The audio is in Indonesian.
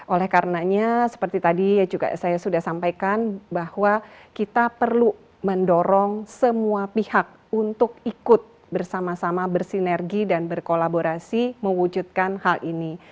oleh karenanya seperti tadi juga saya sudah sampaikan bahwa kita perlu mendorong semua pihak untuk ikut bersama sama bersinergi dan berkolaborasi mewujudkan hal ini